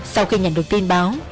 sau khi nhận được tin báo